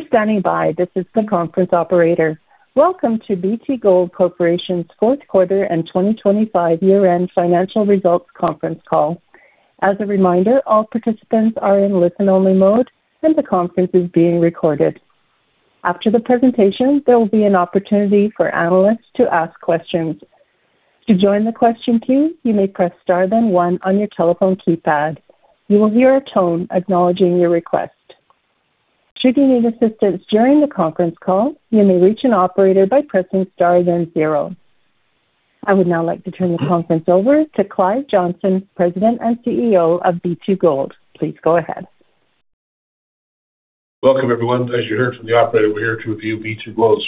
Thank you for standing by. This is the conference operator. Welcome to B2Gold Corporation's fourth quarter and 2025 year-end financial results conference call. As a reminder, all participants are in listen-only mode, and the conference is being recorded. After the presentation, there will be an opportunity for analysts to ask questions. To join the question queue, you may press *, then 1 on your telephone keypad. You will hear a tone acknowledging your request. Should you need assistance during the conference call, you may reach an operator by pressing *, then 0. I would now like to turn the conference over to Clive Johnson, President and CEO of B2Gold. Please go ahead. Welcome, everyone. As you heard from the operator, we're here to review B2Gold's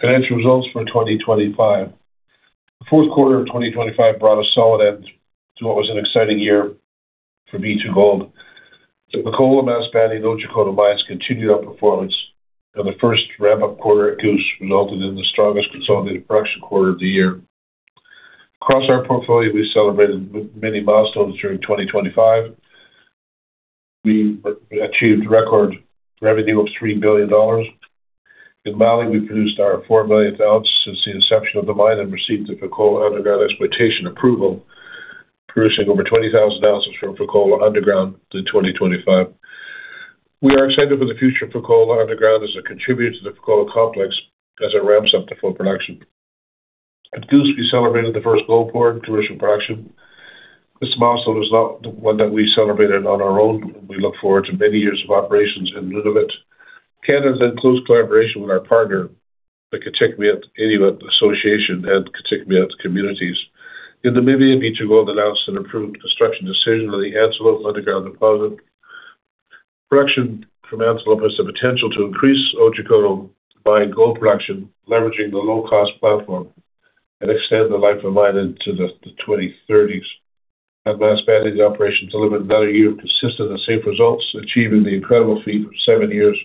financial results for 2025. The fourth quarter of 2025 brought a solid end to what was an exciting year for B2Gold. The Fekola, Masbate, and Otjikoto mines continued our performance, and the first ramp-up quarter at Goose resulted in the strongest consolidated production quarter of the year. Across our portfolio, we celebrated many milestones during 2025. We achieved record revenue of $3 billion. In Mali, we produced our 4 millionth ounce since the inception of the mine and received the Fekola Underground exploitation approval, producing over 20,000 ounces from Fekola Underground in 2025. We are excited for the future of Fekola Underground as it contributes to the Fekola complex as it ramps up to full production. At Goose, we celebrated the first gold pour and commercial production. This milestone was not one that we celebrated on our own, and we look forward to many years of operations in Nunavut, Canada, in close collaboration with our partner, the Kitikmeot Inuit Association, and Kitikmeot communities. In Namibia, B2Gold announced an approved construction decision on the Antelope underground deposit. Production from Antelope has the potential to increase Otjikoto gold production, leveraging the low-cost platform, and extend the life of mine into the 2030s. At Masbate operations, delivered another year of consistent and safe results, achieving the incredible feat of seven years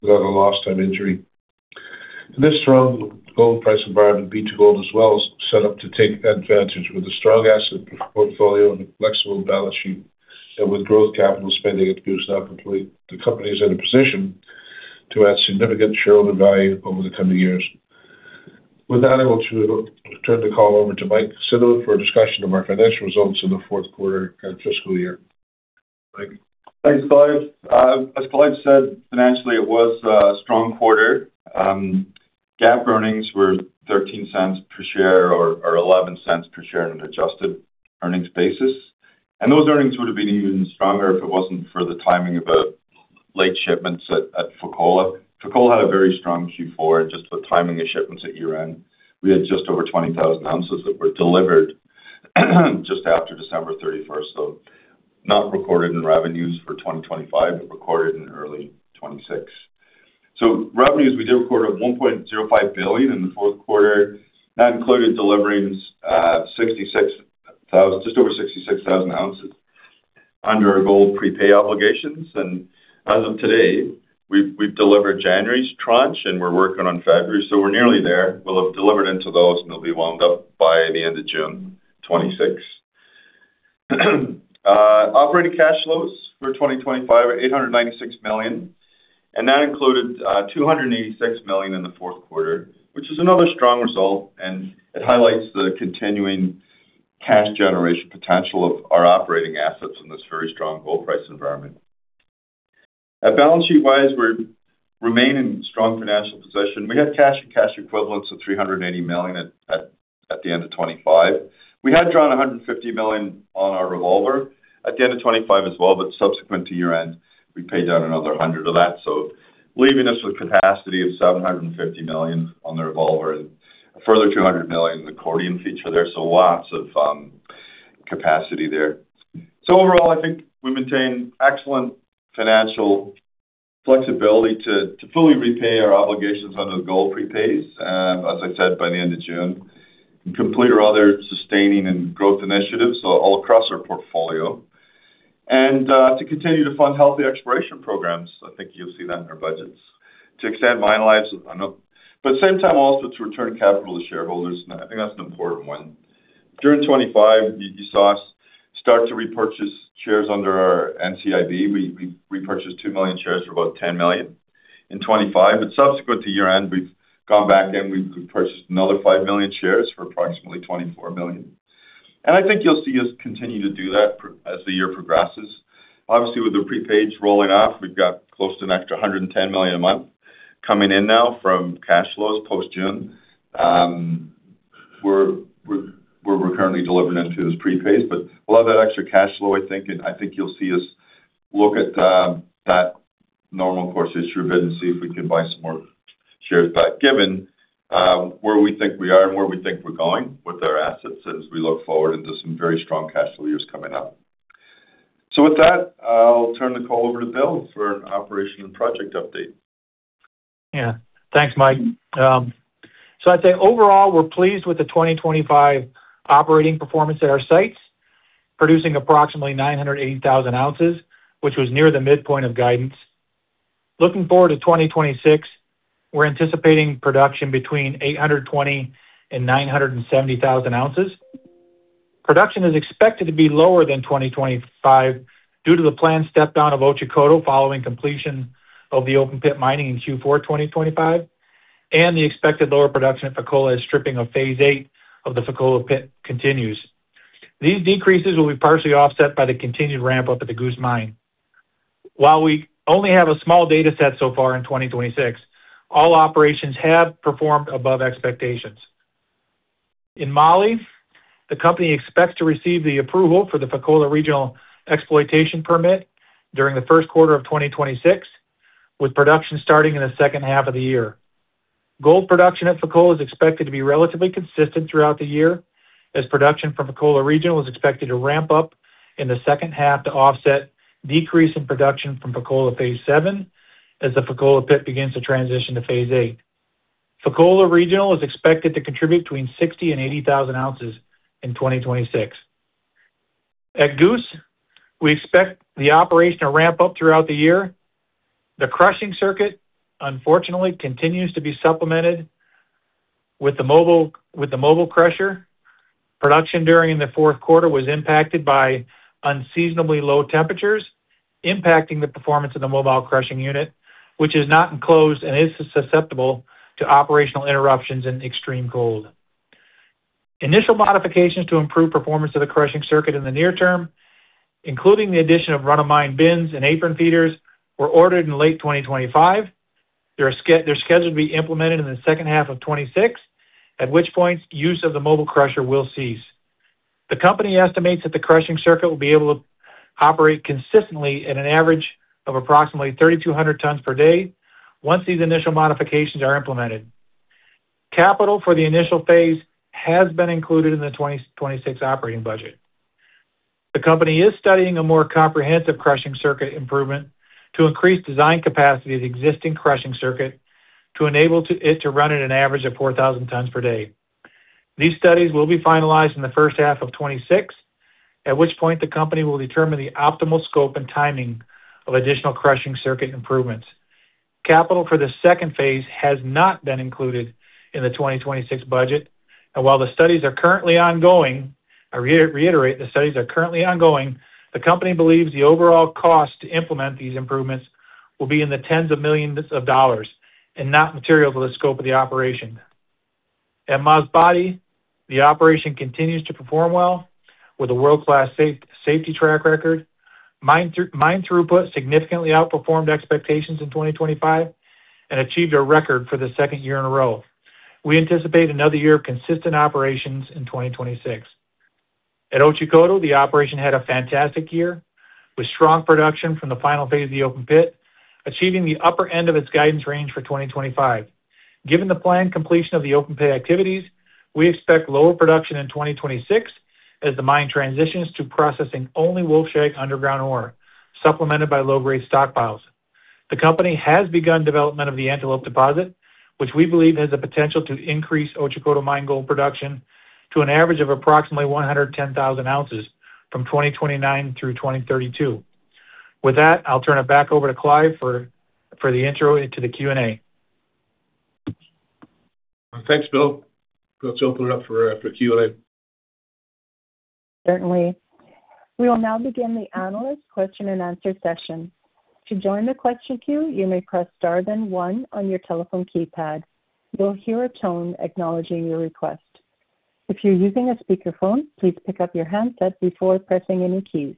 without a lost time injury. In this strong gold price environment, B2Gold as well is set up to take advantage. With a strong asset portfolio and a flexible balance sheet, and with growth capital spending at Goose now complete, the company is in a position to add significant shareholder value over the coming years. With that, I want to turn the call over to Mike Cinnamond for a discussion of our financial results in the fourth quarter and fiscal year. Mike? Thanks, Clive. As Clive said, financially, it was a strong quarter. GAAP earnings were $0.13 per share or $0.11 per share on an adjusted earnings basis. Those earnings would have been even stronger if it wasn't for the timing of late shipments at Fekola. Fekola had a very strong Q4, just with timing of shipments at year-end. We had just over 20,000 ounces that were delivered, just after December 31, so not recorded in revenues for 2025, but recorded in early 2026. Revenues, we did record at $1.05 billion in the fourth quarter. That included delivering 66,000, just over 66,000 ounces under our Gold Prepay obligations. As of today, we've delivered January's tranche, and we're working on February, so we're nearly there. We'll have delivered into those, and they'll be wound up by the end of June 2026. Operating cash flows for 2025 are $896 million, and that included $286 million in the fourth quarter, which is another strong result, and it highlights the continuing cash generation potential of our operating assets in this very strong gold price environment. Balance sheet-wise, we're remaining in strong financial position. We had cash and cash equivalents of $380 million at the end of 2025. We had drawn $150 million on our revolver at the end of 2025 as well, but subsequent to year-end, we paid down another $100 million of that. So, leaving us with capacity of $750 million on the revolver and a further $200 million in the accordion feature there. So, lots of capacity there. So overall, I think we maintain excellent financial flexibility to fully repay our obligations under the gold prepays, as I said, by the end of June, and complete our other sustaining and growth initiatives so, all across our portfolio. And to continue to fund healthy exploration programs, I think you'll see that in our budgets. To extend mine lives, but at the same time, also to return capital to shareholders, and I think that's an important one. During 2025, you saw us start to repurchase shares under our NCIB. We repurchased 2 million shares for about $10 million in 2025, but subsequent to year-end, we've gone back, and we've purchased another 5 million shares for approximately $24 million. And I think you'll see us continue to do that as the year progresses. Obviously, with the prepays rolling off, we've got close to an extra $110 million a month coming in now from cash flows post-June. We're currently delivering into those prepays, but a lot of that extra cash flow, I think, and I think you'll see us look at that normal course issuer bid and see if we can buy some more shares back, given where we think we are and where we think we're going with our assets as we look forward into some very strong cash flow years coming up. With that, I'll turn the call over to Bill for an operation and project update. Yeah. Thanks, Mike. So, I'd say overall, we're pleased with the 2025 operating performance at our sites, producing approximately 980,000 ounces, which was near the midpoint of guidance. Looking forward to 2026, we're anticipating production between 820,000 and 970,000 ounces.... Production is expected to be lower than 2025 due to the planned step down of Otjikoto following completion of the open pit mining in Q4 2025, and the expected lower production at Fekola is stripping of phase 8 of the Fekola pit continues. These decreases will be partially offset by the continued ramp-up at the Goose Mine. While we only have a small data set so far in 2026, all operations have performed above expectations. In Mali, the company expects to receive the approval for the Fekola Regional exploitation permit during the first quarter of 2026, with production starting in the second half of the year. Gold production at Fekola is expected to be relatively consistent throughout the year, as production from Fekola Regional was expected to ramp up in the second half to offset decrease in production from Fekola phase seven as the Fekola pit begins to transition to phase eight. Fekola Regional is expected to contribute between 60,000 and 80,000 ounces in 2026. At Goose, we expect the operation to ramp up throughout the year. The crushing circuit, unfortunately, continues to be supplemented with the mobile, with the mobile crusher. Production during the fourth quarter was impacted by unseasonably low temperatures, impacting the performance of the mobile crushing unit, which is not enclosed and is susceptible to operational interruptions in extreme cold. Initial modifications to improve performance of the crushing circuit in the near term, including the addition of run-of-mine bins and apron feeders, were ordered in late 2025. They're scheduled to be implemented in the second half of 2026, at which point use of the mobile crusher will cease. The company estimates that the crushing circuit will be able to operate consistently at an average of approximately 3,200 tons per day once these initial modifications are implemented. Capital for the initial phase has been included in the 2026 operating budget. The company is studying a more comprehensive crushing circuit improvement to increase design capacity of the existing crushing circuit to enable it to run at an average of 4,000 tons per day. These studies will be finalized in the first half of 2026, at which point the company will determine the optimal scope and timing of additional crushing circuit improvements. Capital for the second phase has not been included in the 2026 budget, and while the studies are currently ongoing, I reiterate, the studies are currently ongoing, the company believes the overall cost to implement these improvements will be in the $10s of millions and not material to the scope of the operation. At Masbate, the operation continues to perform well with a world-class safety track record. Mine throughput significantly outperformed expectations in 2025 and achieved a record for the second year in a row. We anticipate another year of consistent operations in 2026. At Otjikoto, the operation had a fantastic year, with strong production from the final phase of the open pit, achieving the upper end of its guidance range for 2025. Given the planned completion of the open pit activities, we expect lower production in 2026 as the mine transitions to processing only Wolfshag underground ore, supplemented by low-grade stockpiles. The company has begun development of the Antelope deposit, which we believe has the potential to increase Otjikoto mine gold production to an average of approximately 110,000 ounces from 2029 through 2032. With that, I'll turn it back over to Clive for the intro into the Q&A. Thanks, Bill. Let's open it up for, for Q&A. Certainly. We will now begin the analyst question and answer session. To join the question queue, you may press *, then 1 on your telephone keypad. You'll hear a tone acknowledging your request. If you're using a speakerphone, please pick up your handset before pressing any keys.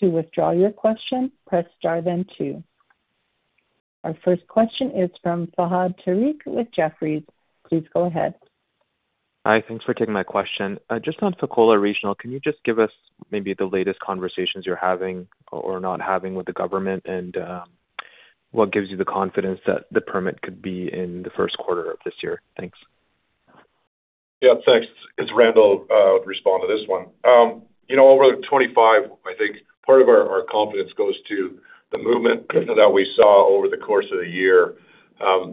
To withdraw your question, press * then 2. Our first question is from Fahad Tariq with Jefferies. Please go ahead. Hi, thanks for taking my question. Just on Fekola Regional, can you just give us maybe the latest conversations you're having or not having with the government, and what gives you the confidence that the permit could be in the first quarter of this year? Thanks. Yeah, thanks. It's Randall to respond to this one. You know, over 2025, I think part of our confidence goes to the movement that we saw over the course of the year.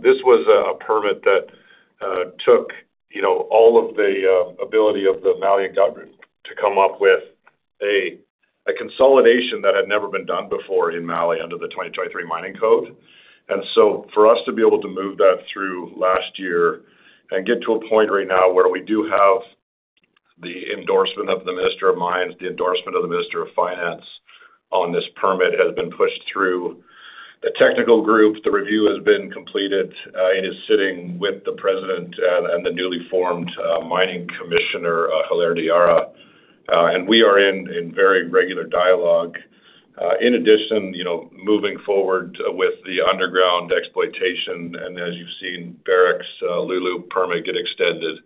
This was a permit that took you know, all of the ability of the Mali government to come up with a consolidation that had never been done before in Mali under the 2023 mining code. And so, for us to be able to move that through last year and get to a point right now where we do have the endorsement of the Minister of Mines, the endorsement of the Minister of Finance on this permit, has been pushed through the technical group. The review has been completed. It is sitting with the president and the newly formed mining commissioner, Hilaire Diarra, and we are in very regular dialogue. In addition, you know, moving forward with the underground exploitation and as you've seen Barrick's Loulo permit get extended,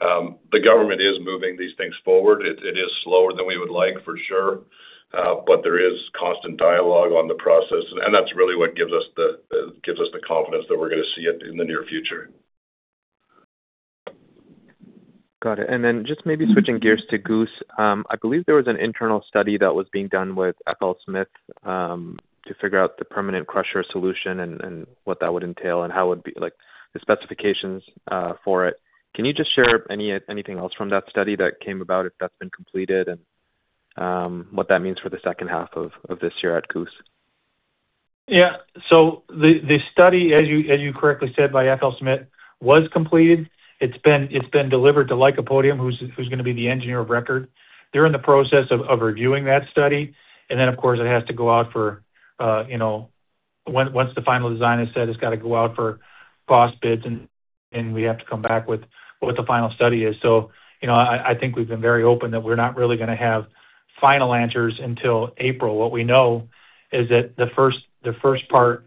the government is moving these things forward. It is slower than we would like, for sure, but there is constant dialogue on the process, and that's really what gives us the confidence that we're going to see it in the near future. Got it. And then just maybe switching gears to Goose. I believe there was an internal study that was being done with FLSmidth to figure out the permanent crusher solution and what that would entail and how it would be, like, the specifications for it. Can you just share anything else from that study that came about, if that's been completed, and what that means for the second half of this year at Goose?... Yeah, so, the study, as you correctly said, by FLSmidth, was completed. It's been delivered to Lycopodium, who's going to be the engineer of record. They're in the process of reviewing that study. And then, of course, it has to go out for, you know, once the final design is set, it's got to go out for cost bids, and we have to come back with what the final study is. So, you know, I think we've been very open that we're not really going to have final answers until April. What we know is that the first part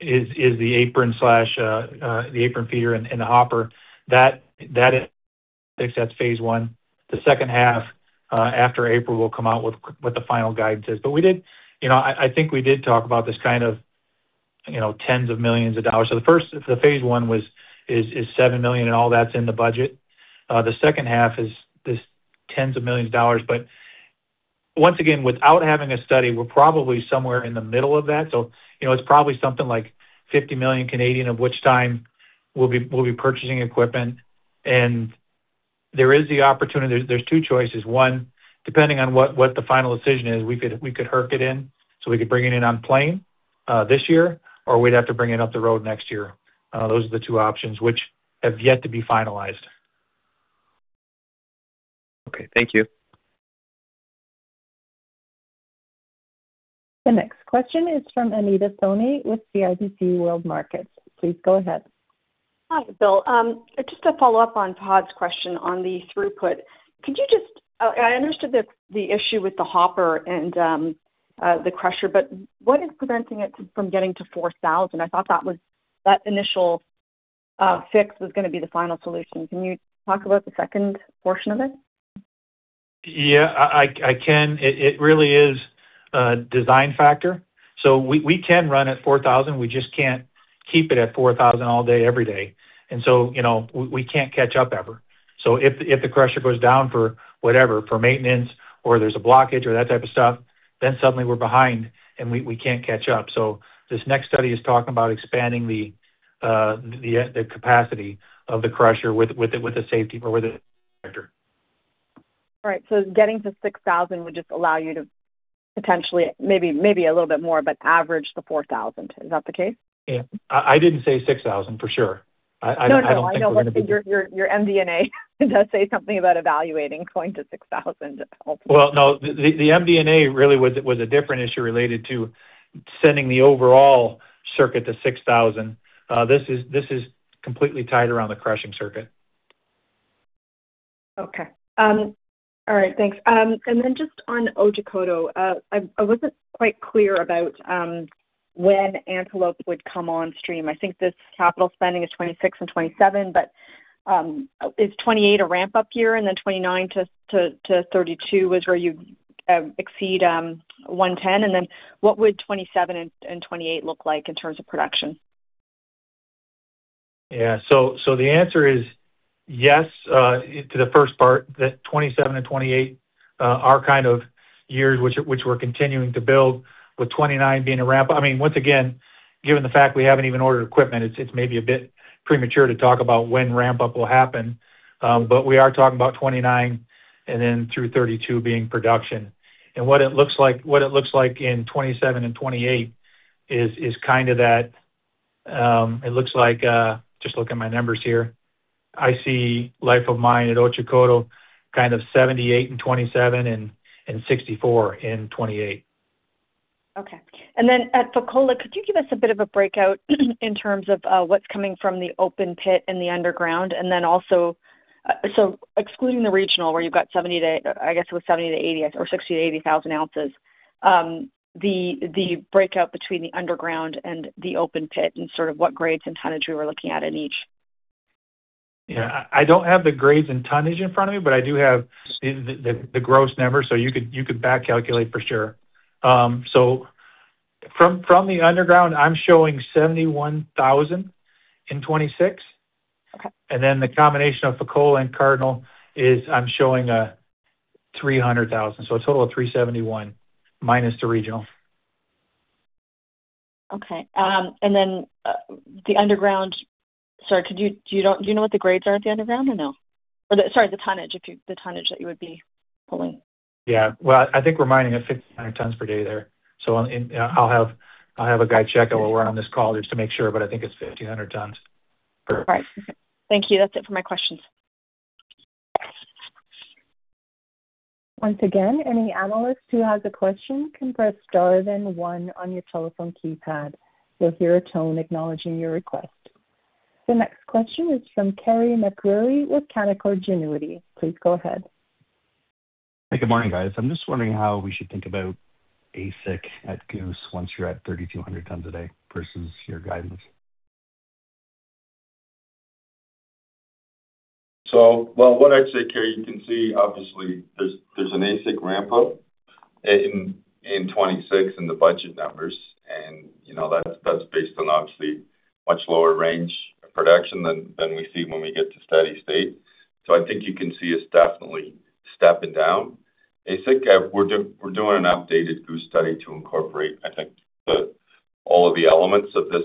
is the apron slash the apron feeder and the hopper. That is phase one. The second half, after April, we'll come out with what the final guidance is. But we did, you know, I think we did talk about this kind of, you know, tens of millions of dollars. So, the first phase one is $7 million, and all that's in the budget. The second half is this ten of millions of dollars. But once again, without having a study, we're probably somewhere in the middle of that. So, you know, it's probably something like 50 million, of which time we'll be purchasing equipment. And there is the opportunity. There's two choices. One, depending on what the final decision is, we could Herc it in, so we could bring it in on plane this year, or we'd have to bring it up the road next year. Those are the two options which have yet to be finalized. Okay, thank you. The next question is from Anita Soni with CIBC World Markets. Please go ahead. Hi, Bill. Just to follow up on Fahad's question on the throughput, could you just... I understood the issue with the hopper and the crusher, but what is preventing it from getting to 4,000? I thought that initial fix was going to be the final solution. Can you talk about the second portion of it? Yeah, I can. It really is a design factor. So, we can run at 4,000, we just can't keep it at 4,000 all day, every day. And so, you know, we can't catch up, ever. So, if the crusher goes down for whatever, for maintenance or there's a blockage or that type of stuff, then suddenly we're behind and we can't catch up. So, this next study is talking about expanding the capacity of the crusher with the safety or with the factor. All right. So, getting to 6,000 would just allow you to potentially, maybe, maybe a little bit more, but average the 4,000. Is that the case? Yeah. I didn't say 6,000 for sure. I don't think- No, no, I know. Your MD&A does say something about evaluating going to 6,000. Well, no, the MD&A really was a different issue related to sending the overall circuit to 6,000. This is completely tied around the crushing circuit. Okay. All right, thanks. And then just on Otjikoto, I wasn't quite clear about when Antelope would come on stream. I think this capital spending is 2026 and 2027, but is 2028 a ramp-up year and then 2029 to 2032 is where you exceed 110? And then what would 2027 and 2028 look like in terms of production? Yeah. So, so the answer is yes to the first part, that 2027 and 2028 are kind of years which, which we're continuing to build, with 2029 being a ramp-up. I mean, once again, given the fact we haven't even ordered equipment, it's, it's maybe a bit premature to talk about when ramp-up will happen. But we are talking about 2029 and then through 2032 being production. And what it looks like, what it looks like in 2027 and 2028 is, is kind of that, it looks like just looking at my numbers here. I see life of mine at Otjikoto, kind of 78 in 2027 and 64 in 2028. Okay. And then at Fekola, could you give us a bit of a breakout in terms of what's coming from the open pit and the underground? And then also, so excluding the regional, where you've got 70 to, I guess it was 70-80 or 60-80 thousand ounces, the breakout between the underground and the open pit and sort of what grades and tonnage we're looking at in each. Yeah. I don't have the grades and tonnage in front of me, but I do have the gross numbers, so you could back calculate for sure. So, from the underground, I'm showing 71,000 in 2026. Okay. Then the combination of Fekola and Cardinal is, I'm showing, 300,000, so a total of 371, minus the regional. Okay. And then the underground. Sorry, could you... Do you know what the grades are at the underground or no? Or sorry, the tonnage, if you, the tonnage that you would be pulling. Yeah. Well, I think we're mining at 1,500 tons per day there, so I'll have a guy check it while we're on this call just to make sure, but I think it's 1,500 tons. All right. Thank you. That's it for my questions. Once again, any analyst who has a question can press star then one on your telephone keypad. You'll hear a tone acknowledging your request. The next question is from Carey MacRury with Canaccord Genuity. Please go ahead. Hey, good morning, guys. I'm just wondering how we should think about AISC at Goose once you're at 3,200 tons a day versus your guidance? Well, what I'd say, Kerry, you can see obviously there's an AISC ramp-up in 2026 in the budget numbers. And, you know, that's based on obviously much lower range of production than we see when we get to steady state. So, I think you can see us definitely stepping down AISC. We're doing an updated Goose study to incorporate, I think, all of the elements of this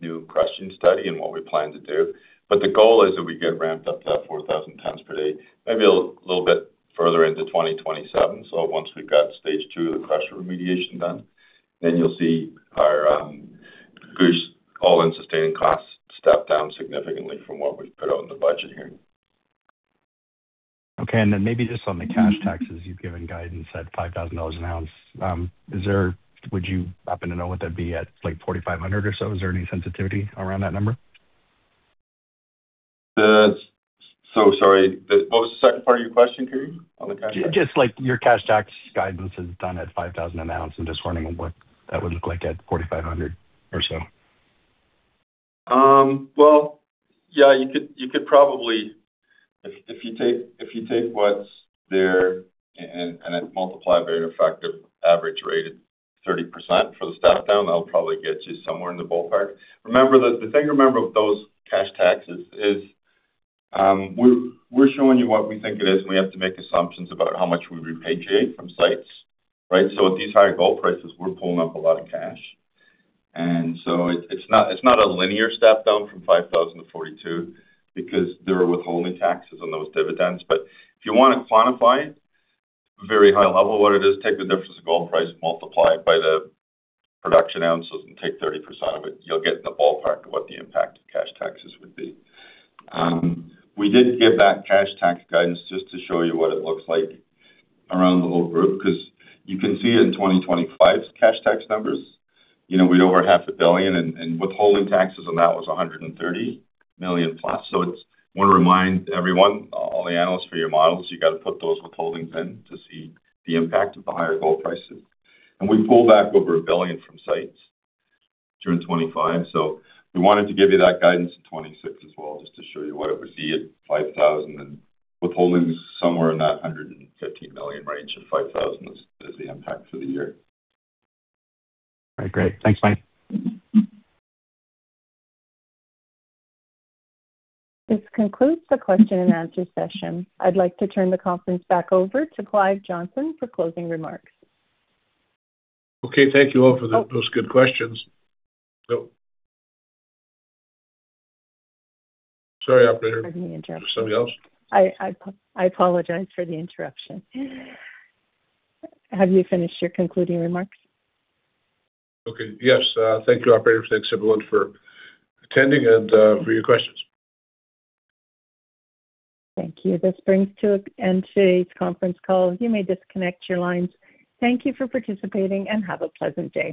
new crushing study and what we plan to do. But the goal is that we get ramped up to that 4,000 tons per day, maybe a little bit further into 2027. So, once we've got stage two of the crusher remediation done, then you'll see our Goose all-in sustaining costs step down significantly from what we've put out in the budget here. Okay. And then maybe just on the cash taxes, you've given guidance at $5,000 an ounce. Would you happen to know what that'd be at, like, $4,500 or so? Is there any sensitivity around that number? So sorry, what was the second part of your question, Carey, on the cash? Just like your cash tax guidance is done at $5,000 an ounce and just wondering what that would look like at $4,500 or so. Well, yeah, you could, you could probably... If you take, if you take what's there and then multiply a very effective average rate at 30% for the step down, that'll probably get you somewhere in the ballpark. Remember, the thing to remember of those cash taxes is, we're showing you what we think it is, and we have to make assumptions about how much we repatriate from sites, right? At these higher gold prices, we're pulling up a lot of cash. It's not a linear step down from $5,000 to $4,200 because there are withholding taxes on those dividends. If you want to quantify it, very high level, what it is, take the difference of gold price, multiply it by the production ounces, and take 30% of it. You'll get in the ballpark of what the impact of cash taxes would be. We did give that cash tax guidance just to show you what it looks like around the whole group, because you can see it in 2025's cash tax numbers. You know, we had over $500 million, and withholding taxes on that was $130 million plus. So, it's – want to remind everyone, all the analysts, for your models, you got to put those withholdings in to see the impact of the higher gold prices. And we pulled back over $1 billion from sites during 2025, so we wanted to give you that guidance in 2026 as well, just to show you what it would be at $5,000 and withholding somewhere in that $115 million range at $5,000 is the impact for the year. All right, great. Thanks, Mike. This concludes the question-and-answer session. I'd like to turn the conference back over to Clive Johnson for closing remarks. Okay. Thank you all for the, those good questions. So... Sorry, operator. Pardon the interruption. There's somebody else? I apologize for the interruption. Have you finished your concluding remarks? Okay. Yes, thank you, operator. Thanks, everyone, for attending and, for your questions. Thank you. This brings to an end today's conference call. You may disconnect your lines. Thank you for participating and have a pleasant day.